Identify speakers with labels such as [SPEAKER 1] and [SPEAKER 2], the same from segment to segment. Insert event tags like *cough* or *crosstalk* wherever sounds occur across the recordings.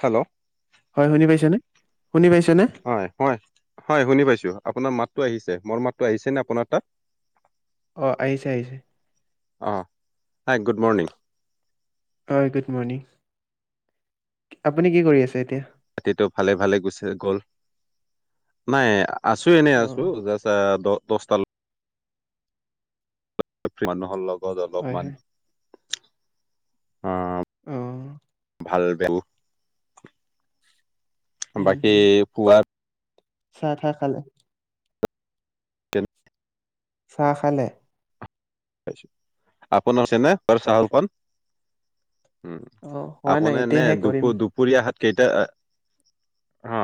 [SPEAKER 1] Hello
[SPEAKER 2] হয় শুনি পাইছেনে? শুনি পাইছেনে?
[SPEAKER 1] হয়-হয়-হয় শুনি পাইছো? *unintelligible* আপোনাৰ মাতটো আহিছে মোৰ মাতটো আহিছে নে আপোনাৰ তাত *unintelligible*
[SPEAKER 2] আহ আহিছে-আহিছে
[SPEAKER 1] অ হাই গুড মৰ্ণিং
[SPEAKER 2] *unintelligible* অ গুড মৰ্ণিং আপুনি কি কৰি আছে? *unintelligible*
[SPEAKER 1] ৰাতিটো ভালে-ভালে গুচি গল নাই *unintelligible* আছো এনেই আছো
[SPEAKER 2] অ'
[SPEAKER 1] যাষ্ট দহটালৈ *unintelligible* মানুহৰ লগত
[SPEAKER 2] হয়
[SPEAKER 1] অলপমান
[SPEAKER 2] হয়।
[SPEAKER 1] অ *unintelligible*
[SPEAKER 2] আহ *unintelligible*
[SPEAKER 1] ভাল *unintelligible* বাকী পুৱা
[SPEAKER 2] চাহ-টাহ খালে? *unintelligible* চাহ খালে? *unintelligible*
[SPEAKER 1] *unintelligible* আপোনাৰ চনে বৰ চাহ *unintelligible* উম
[SPEAKER 2] অ' হোৱা নাই
[SPEAKER 1] আপোনাৰ নে
[SPEAKER 2] এতিয়াহে কৰিম।
[SPEAKER 1] দুপ-দুপৰীয়া হাত কেইটা *unintelligible* অ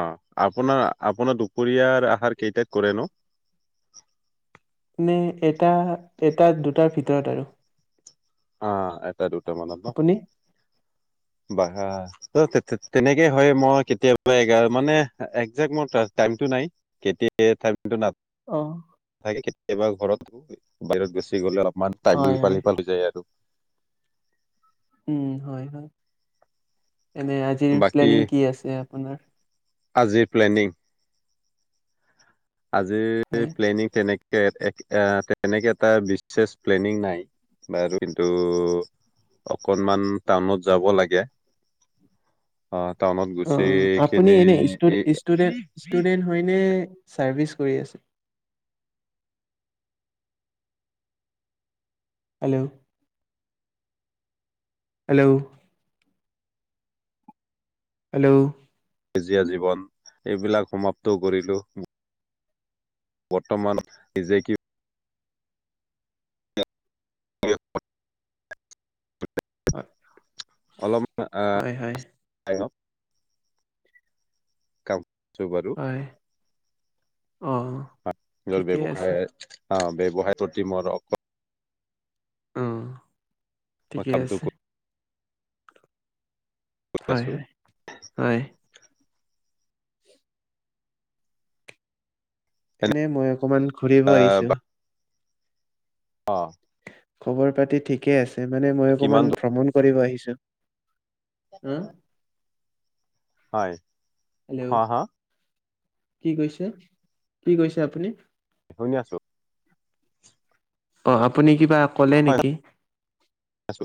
[SPEAKER 1] আপোনাৰ-আপোনাৰ দুপৰীয়াৰ আহাৰ কেইটাক কৰে নো *unintelligible* *inaudible*
[SPEAKER 2] নে এটা-এটা দুটাৰ ভিতৰত আৰু *unintelligible*
[SPEAKER 1] অ এটা দুটা মানত ন *unintelligible*
[SPEAKER 2] আপুনি?
[SPEAKER 1] বাহ ত তেনেকে হয় মই কেতিয়াবা এগাৰ মানে একজে্ট মোৰ ত *unintelligible* টাইমটো নাই কেতিয়া টাইমটো ন *unintelligible*
[SPEAKER 2] আহ *unintelligible*
[SPEAKER 1] কেতিয়াবা ঘৰত বাহিৰত গেছি গ'লে অলপমান
[SPEAKER 2] হয়
[SPEAKER 1] টাইমটো
[SPEAKER 2] হয়।
[SPEAKER 1] ইফাল সিফাল হৈ যায় আৰু *unintelligible*
[SPEAKER 2] উ হয় হয় এনে আজিৰ
[SPEAKER 1] বাকী
[SPEAKER 2] প্লেনিং কি আছে আপোনাৰ? *unintelligible*
[SPEAKER 1] আজিৰ প্লেনিং *unintelligible* আজি
[SPEAKER 2] হয়।
[SPEAKER 1] প্লেনিং তেনেক তেনেকে এটা বিশ্বেষ প্লেনিং নাই বাৰু কিন্তু *unintelligible* অকনমান টাউনত যাব লাগে অ।
[SPEAKER 2] অ আপুনি এনেুষ্টুডেট ষ্টুডেণ্ট হয় ন *unintelligible* চাৰ্ভিচ কৰি আছে হেল্ল' হেল্ল' হেল্ল'
[SPEAKER 1] সেজীয়া জীৱন এইবিলাক সমাপ্তও কৰিলো *unintelligible* বৰ্তমান নিজে কি
[SPEAKER 2] *inaudible*
[SPEAKER 1] অলপমান আহ
[SPEAKER 2] হয় হয়।
[SPEAKER 1] *unintelligible* চু বাৰ *unintelligible*
[SPEAKER 2] হয়। অঁ, ঠিকে আছে।
[SPEAKER 1] ব্যৱসায় প্ৰতি মোৰ অ
[SPEAKER 2] অ ঠিকে
[SPEAKER 1] কামটো
[SPEAKER 2] আছে
[SPEAKER 1] কৰি
[SPEAKER 2] হয়
[SPEAKER 1] আছো
[SPEAKER 2] হয় হয় এনে মই অকমান ঘূৰিব আহিছো।
[SPEAKER 1] অ
[SPEAKER 2] খবৰ পাতি ঠিকে আছে মানে মই
[SPEAKER 1] কিমান
[SPEAKER 2] অকমান
[SPEAKER 1] দূৰ
[SPEAKER 2] ভ্ৰমণ কৰিব আহিছো। অঁ,
[SPEAKER 1] *inaudible* হয় হ
[SPEAKER 2] হেল্ল'
[SPEAKER 1] হা *unintelligible*
[SPEAKER 2] কি কৈছে কি কৈছে আপুনি?
[SPEAKER 1] শুনি আছো *unintelligible*
[SPEAKER 2] অ আপুনি কিবা কলে
[SPEAKER 1] হয়
[SPEAKER 2] নেকি
[SPEAKER 1] আছো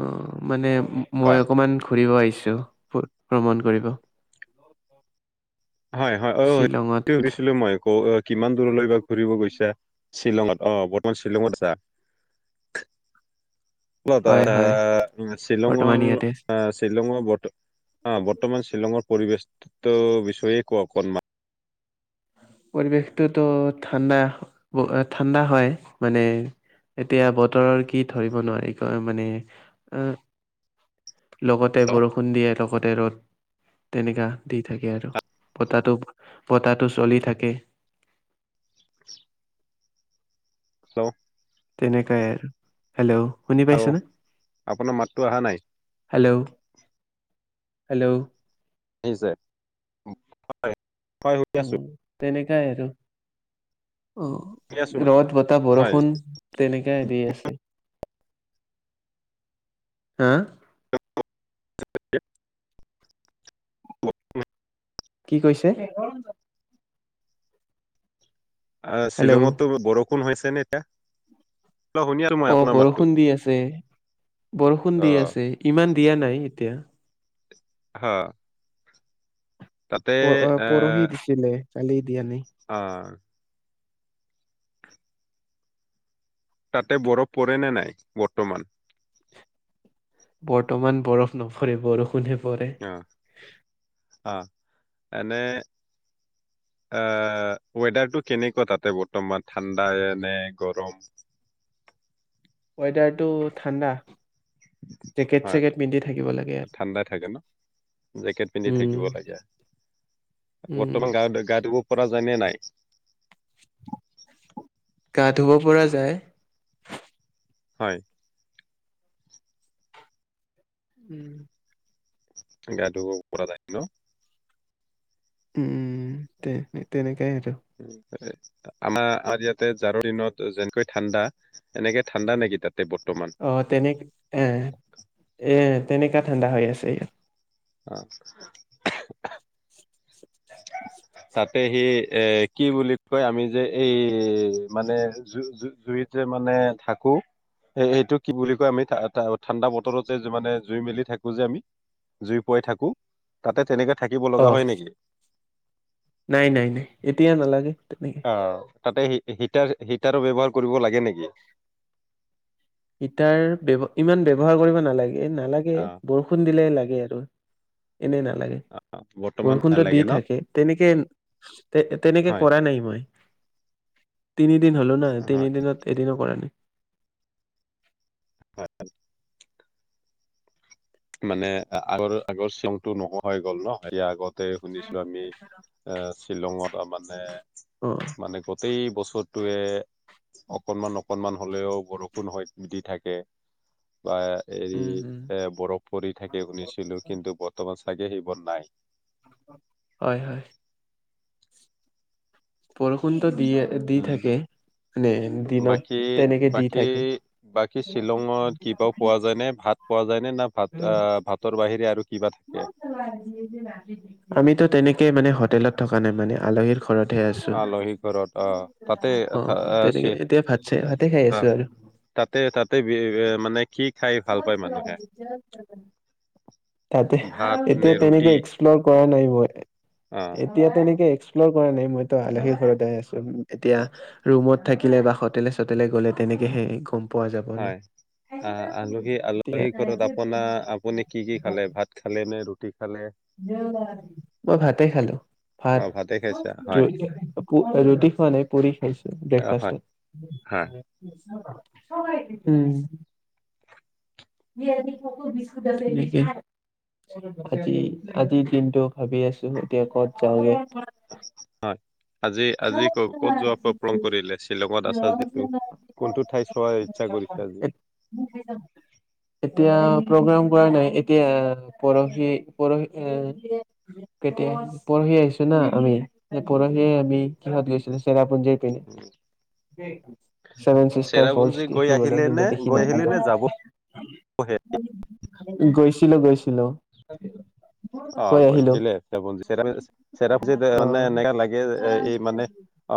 [SPEAKER 2] অ মানে
[SPEAKER 1] কোৱা
[SPEAKER 2] মই অকমান ঘুৰিব আহিছো। ভ্ৰমণ কৰিব *unintelligible*
[SPEAKER 1] হয় হয় অ
[SPEAKER 2] শ্বিলঙত।
[SPEAKER 1] সেটো সুধিছিলো মই অ কিমান দূৰলৈ বা ঘুৰিব গৈছা শ্বিলঙত আহ বৰ্তমান শ্বিলঙত যা *unintelligible* কা
[SPEAKER 2] হয়,
[SPEAKER 1] এ
[SPEAKER 2] হয়। বৰ্তমান
[SPEAKER 1] শ্বিলঙৰ
[SPEAKER 2] ইয়াতে আছো।
[SPEAKER 1] শ্বিলঙৰ *unintelligible* অ বৰ্তমান শ্বিলঙৰ পৰিবেশটো বিষয়ে ক অকনমান
[SPEAKER 2] পৰিৱেশটোতো ঠাণ্ডা ঠাণ্ডা হয় মানে। এতিয়া বতৰৰ কি ধৰিব নোৱাৰি ক মানে আহ
[SPEAKER 1] *inaudible*
[SPEAKER 2] লগতে বৰষুণ দিয়ে লগতে ৰ'দ তেনেকা দি থাকে আৰু বতাহটো বতাহ টো চলি থাকে।
[SPEAKER 1] হেল্ল'
[SPEAKER 2] তেনেকে আৰু হেল্ল' শুনি
[SPEAKER 1] হেল্ল'
[SPEAKER 2] পাইছোনে
[SPEAKER 1] আপোনাৰ মাতটো অহা নাই
[SPEAKER 2] হেল্ল' হেল্ল'
[SPEAKER 1] শুনি আছে হয় শুনি
[SPEAKER 2] উ
[SPEAKER 1] আছো
[SPEAKER 2] তেনেকাই আৰু
[SPEAKER 1] শুনি আছো মই
[SPEAKER 2] অ ৰদ বতাহ বৰষুণ
[SPEAKER 1] হয়
[SPEAKER 2] তেনেকাই দি আছে। হা কি কৈছে
[SPEAKER 1] আহ
[SPEAKER 2] হেল্ল'
[SPEAKER 1] শ্বিলঙতো বৰষুণ হৈছে নে এতিয়া অ শুনিলো মই আপোনাৰ মাতো
[SPEAKER 2] আ বৰষুণ দি আছে ইমান দিয়া নাই এতিয়া
[SPEAKER 1] হ
[SPEAKER 2] প পৰহি দিছিলে কালি দিয়া নাই
[SPEAKER 1] অ তাতে বৰফ পৰে ন নাই বৰ্তমান
[SPEAKER 2] বৰ্তমান বৰফ নপৰে বৰষুণে
[SPEAKER 1] অ আহ এনে এ ৱেডাৰটো কেনেকুৱা তাতে বৰ্তমান ঠাণ্ডা নে গৰম।
[SPEAKER 2] ৱেডাৰটো ঠাণ্ডা জেকেট
[SPEAKER 1] হয়
[SPEAKER 2] চেকেট পিন্ধি থাকিব লাগে আৰু
[SPEAKER 1] ঠাণ্ডাই থাকে ন জেকেট পিন্ধি
[SPEAKER 2] উম,
[SPEAKER 1] থাকিব লাগে
[SPEAKER 2] উম,
[SPEAKER 1] বৰ্তমান গা গাটো পৰা যায়নে নাই
[SPEAKER 2] গা ধুব পৰা যায়।
[SPEAKER 1] হয়
[SPEAKER 2] উম
[SPEAKER 1] গা ধুব পৰা যাই ন
[SPEAKER 2] উম তে তেনেকাই আৰু
[SPEAKER 1] উম আমাৰ ইয়াতে জাৰৰ দিনত যেনেকৈ ঠাণ্ডা এনেকে ঠাণ্ডা নেকি তাত
[SPEAKER 2] আহ তেনে এ এ তেনেকা ঠাণ্ডা হৈ আছে ইয়াত
[SPEAKER 1] অ
[SPEAKER 2] *inaudible*
[SPEAKER 1] তাতে সি এ কি বুলি কয় আমি যে এই মানে জু জুইত যে মানে মানে থাকো এ এইটো কি বুলি কয় আমি ঠাণ্ডা বতৰত যে মানে জুই মেলি থাকো যে আমি জুই ফুৱাই থাকো তাতে তেনেকে থাকিব লগা
[SPEAKER 2] অ',
[SPEAKER 1] হয় নেকি?
[SPEAKER 2] নাই নাই নাই এতিয়া নালাগে তেনেকে
[SPEAKER 1] অ তাতে হিটাৰ হিটাৰো ব্যৱহাৰ কৰিব লাগে নেকি।
[SPEAKER 2] ইটাৰ ব্যয় ইমান ব্যৱহাৰ কৰিব নালাগে নালাগে
[SPEAKER 1] অ
[SPEAKER 2] বৰষুণ দিলে লাগে আৰু এনেই নালাগে
[SPEAKER 1] অ বৰ্তমান
[SPEAKER 2] বৰষুণটো
[SPEAKER 1] নালাগে
[SPEAKER 2] দি
[SPEAKER 1] ন
[SPEAKER 2] থাকে তেনেকে তে তেনেকে
[SPEAKER 1] হয়
[SPEAKER 2] কৰা নাই মই তিনিদিন হ'লো ন তিনি
[SPEAKER 1] হয়
[SPEAKER 2] দিনত এদিনো কৰা নাই
[SPEAKER 1] হয় মানে আগৰ আগৰ চে মটো নোহোৱা হৈ গ'ল ন সয়া আগত তাতে শুনিছিলো আমি এ শ্বিলঙত মানে।
[SPEAKER 2] অ',
[SPEAKER 1] মানে গোটেই বছৰটোৱে অকনমান অকনমান হলেও বৰষুণ হয় দি থাকে। বা হেৰি
[SPEAKER 2] উম, উম।
[SPEAKER 1] এ বৰফ পৰি থাকে শুনিছিলো কিন্তু বৰ্তমান চাগে সেই বোৰ নাই
[SPEAKER 2] হয় হয় বৰষুণটো দি দি
[SPEAKER 1] উম
[SPEAKER 2] থাকে। মানে দিনত
[SPEAKER 1] বাকী
[SPEAKER 2] তেনেকে দি
[SPEAKER 1] বাকী
[SPEAKER 2] থাকে।
[SPEAKER 1] বাকী শ্বিলঙত কিবা পোৱা যায় ন ভাত পোৱা যায়নে না ভাত
[SPEAKER 2] উম।
[SPEAKER 1] আহ ভাতৰ বাহিৰে আৰু কিবা থাকে
[SPEAKER 2] আমিতো তেনেকেই মানে হোটেলত থকা নাই মানে আলহীৰ ঘৰতহে আছো।
[SPEAKER 1] আ আলহী ঘৰত আহ তাতে
[SPEAKER 2] অ
[SPEAKER 1] চ
[SPEAKER 2] তেনেকে এতিয়া ভাত চাই ভাতে খাই
[SPEAKER 1] অ
[SPEAKER 2] আছো আৰু
[SPEAKER 1] তাতে তাতে মানে কি? খাই ভাল পায় মানুহে
[SPEAKER 2] *unintelligible* তাতে
[SPEAKER 1] ভাত নে
[SPEAKER 2] এতিয়া
[SPEAKER 1] ৰুটি
[SPEAKER 2] তেনেকে এক্সপ্লৰ কৰা নাই মই
[SPEAKER 1] অ
[SPEAKER 2] এতিয়া এনেকে এক্সপ্ল' কৰা নাই মইতো
[SPEAKER 1] অ
[SPEAKER 2] আলহী ঘতে আছো এতিয়া
[SPEAKER 1] হয়
[SPEAKER 2] ৰুমত থাকিলে বা হোতেলে চো'তেলে গ'লে তেনেকেহে গ'ম পোৱা যাব ন
[SPEAKER 1] হয় আ আলহী
[SPEAKER 2] এতিয়া
[SPEAKER 1] আলহী ঘৰত আপোনাৰ আপুনি কি কি কি খালে ভাত খালে নে ৰুটী
[SPEAKER 2] মই ভাতে খালো
[SPEAKER 1] অ
[SPEAKER 2] ভাত
[SPEAKER 1] ভাতে খাইছা হয়
[SPEAKER 2] ৰুটি খোৱা নাই পুৰী খাইছো
[SPEAKER 1] অ হয়
[SPEAKER 2] ব্ৰেকফাষ্টত
[SPEAKER 1] হয়
[SPEAKER 2] উম *unintelligible* আজি দিনতটো ভাবি আছো এতিয়া ক'ত যাওগে।
[SPEAKER 1] হয় আজি আজি ক'ত ক'ত যোৱা প্ৰগ্ৰেম কৰিলে শ্বিলঙত আছ যিটো কোনটো ঠাই চোৱা ইচ্ছা কৰি
[SPEAKER 2] এতিয়া প্ৰগ্ৰাম কৰা নাই এতিয়া পৰহি পৰহি কেতিয়া পৰহি পৰহি আহিছো না আমি অকণমানে আমি কিহত গৈছিলো চেৰাপুঞ্জিৰ পিনে।
[SPEAKER 1] উম।
[SPEAKER 2] ছেভেন চিষ্টাৰ ফলচ
[SPEAKER 1] চেৰাপুঞ্জী গৈ
[SPEAKER 2] দেখিবলৈ
[SPEAKER 1] আহিলে
[SPEAKER 2] কিন্তু
[SPEAKER 1] নে
[SPEAKER 2] দেখি
[SPEAKER 1] গৈ আহিলে
[SPEAKER 2] নাপালো।
[SPEAKER 1] নে যাবহে?
[SPEAKER 2] গৈছিলো গৈছিলো
[SPEAKER 1] অ
[SPEAKER 2] গৈ আহিলো
[SPEAKER 1] গৈছিলে শজে চেৰাফজিত
[SPEAKER 2] অ
[SPEAKER 1] মানে এনো লাগে এই মানে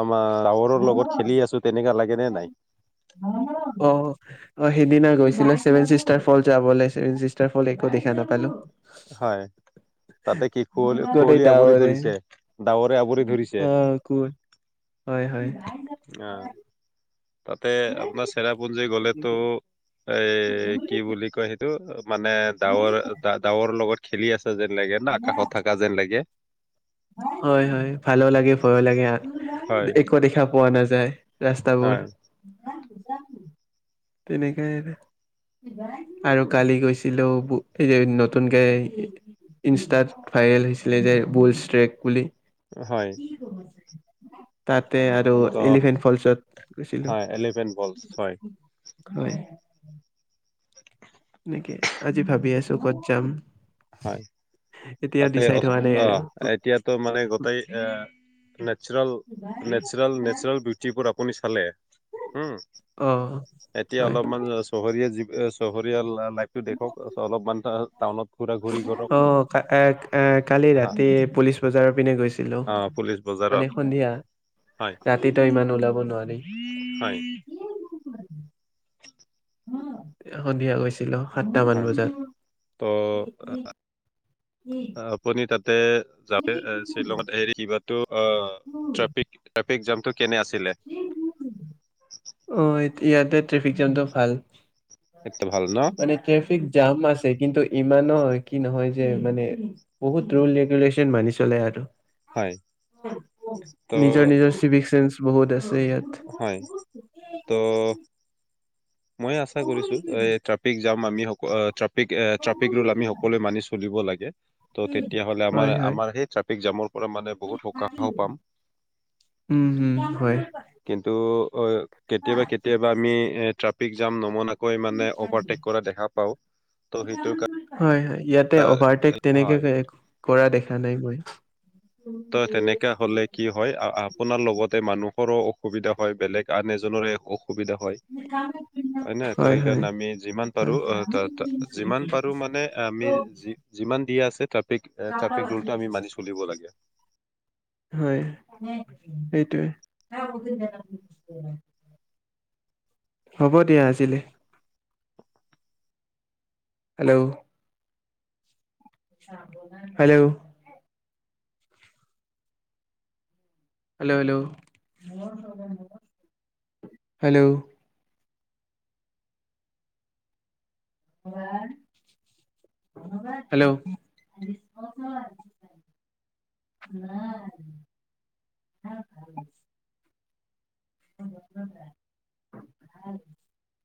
[SPEAKER 1] আমাৰ গাৱৰৰ লগত খেলি আছো তেনেকা লাগ
[SPEAKER 2] অ সেইদিনা গৈছিলা চেভেন চিষ্টাৰ ফল যাব ওলাইছে টাৰ ফল একো দেখা নাপালো
[SPEAKER 1] হয় তাতে কি কুঁৱলী
[SPEAKER 2] গোটেই
[SPEAKER 1] কুঁৱলী আৱৰি
[SPEAKER 2] ডাৱৰে
[SPEAKER 1] ধৰিছে ডাৱৰে আৱৰি ধৰিছে
[SPEAKER 2] আহ কু হয় হয়।
[SPEAKER 1] আহ তাতে আপোনাৰ চেৰাপুঞ্জী গ'লেতো
[SPEAKER 2] তেনেকে
[SPEAKER 1] এ কি বুলি কয় সেইটো মানে ডাৱৰ ডাৱৰ লগত খেলি আছে যেন লাগে না আকাশত থকা যেন লাগে
[SPEAKER 2] হয় হয় ভালো লাগে ভয়ো লাগে
[SPEAKER 1] হয়
[SPEAKER 2] একো দেখা পোৱা নাযায়। ৰাস্তাবোৰ
[SPEAKER 1] হয়
[SPEAKER 2] তেনেকেই আৰু কালি গৈছিলোঁ নতুনকে ইনষ্টাত ভাইৰেল হৈছিলে যে বুল ষ্টেক বুলি।
[SPEAKER 1] হয়
[SPEAKER 2] তাতে আৰু
[SPEAKER 1] ত
[SPEAKER 2] এলিফেন্ট ফলচত গৈছিলো।
[SPEAKER 1] হয় এলিভেন বলছ হয়
[SPEAKER 2] হয় নেকি আজি ভাবি আছো ক'ত যাম।
[SPEAKER 1] হয়,
[SPEAKER 2] এতিয়াও
[SPEAKER 1] তাতে
[SPEAKER 2] ডিচাইড হোৱা নাই আৰু
[SPEAKER 1] অ-অ, এতিয়াতো মানে গোটেই এ নেছোৰেল-নেছোৰেল-নেছোৰেল, বিউটিৰ পৰা আপুনি চালে? হম,
[SPEAKER 2] অ
[SPEAKER 1] এতিয়া
[SPEAKER 2] হয়
[SPEAKER 1] অলপমান চহৰীয়া যি এ চহৰীয়াাল লাইফটো দেখাউক অলপমান টাউনত ঘূৰা ঘূৰি কৰক
[SPEAKER 2] আহ এ-এ কালি
[SPEAKER 1] হা
[SPEAKER 2] ৰাতি পুলিচ বজাৰৰ পিনে গৈছিলো
[SPEAKER 1] অ পুলিচ
[SPEAKER 2] মানে
[SPEAKER 1] বজাৰত
[SPEAKER 2] সন্ধিয়া
[SPEAKER 1] হয়
[SPEAKER 2] ৰাতিটো ইমান ওলাব নোৱাৰি
[SPEAKER 1] হয়।
[SPEAKER 2] সন্ধিয়া গৈছিলো সাতটামান
[SPEAKER 1] হয়
[SPEAKER 2] বজাত
[SPEAKER 1] ত' *inaudible* আপুনি তাতে-তাতে এ শ্বিলঙত হেৰি কিবোটো অ ট্ৰাফিক জামটো কেনে আছিলে?
[SPEAKER 2] অ, ইয়াতে ট্ৰেফিক জামটো ভাল।
[SPEAKER 1] সেইটো ভাল ন
[SPEAKER 2] মানে ট্ৰেফিক জাম আছে, কিন্তু ইমানো কি নহয় যে মানে বহুত ৰুল ৰেগুলেচন মানি চলে আৰু।
[SPEAKER 1] হয় ত'
[SPEAKER 2] নিজৰ-নিজৰ চিভিক চেন্স বহুত আছে। ইয়াত।
[SPEAKER 1] হয়, তো মইয়ে আচা কৰিছো, এ ট্ৰাফিক জাম আমি সকল‌ আ ট্ৰাফ ট্ৰাফিক এ ট্ৰাফিক ৰুল আমি সকলোৱে মানি চলিব লাগে। ত' তেতিয়া হ'লে
[SPEAKER 2] হয়
[SPEAKER 1] আমাৰ
[SPEAKER 2] হয়
[SPEAKER 1] আমাৰ সেই ট্ৰাফিক জামৰ পৰা মানে বহুত সকাহ পাম।
[SPEAKER 2] উম হু হয়।
[SPEAKER 1] কিন্তু হৈ কেতিয়াবা কেতিয়াবা আমি এ ট্ৰাফিক জাম নমনা কৈ মানে অভাৰটেক কৰা দেখা পাও। ত' সেইটোৰ কাৰ
[SPEAKER 2] হয় হয় ইয়াতে অভাৰটেক তেনেকে
[SPEAKER 1] হয়
[SPEAKER 2] তে কৰা দেখা নাই মই।
[SPEAKER 1] তই তেনেকা হলে কি হয়। আ আ আপোনাৰ লগতে মানুহৰো অসুবিধা হয়। বেলেগ আন এজনৰে অ বিধা হয়। হয় না? ত সেইকাৰণে আমি যিমান
[SPEAKER 2] হয়
[SPEAKER 1] পাৰোঁ অ ত ত যিমান পাৰোঁ মা যুনে আমি যি যিমান দিয়া আছে ট্ৰফিক, ট্ৰেফিক ৰোলটো আমি মানি চলিব লাগে।
[SPEAKER 2] হয়, এইটোৱে। হ'ব দিয়া আজিলে। Hello. Hello. Hello hello, hello. *unintelligible* Hello. *unintelligible*
[SPEAKER 1] *inaudible*
[SPEAKER 2] *unintelligible*